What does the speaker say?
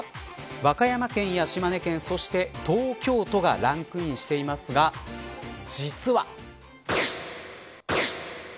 和歌山県や島根県そして東京都がランクインしていますが実は。